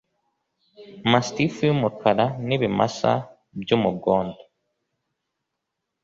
Mastiffu y umukara n ibimasa by ubugondo